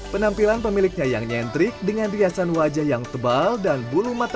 penampilan pemiliknya yang nyentrik dengan riasan wajah yang tebal dan bulu mata palsu yang panjang senada dengan warna pakaiannya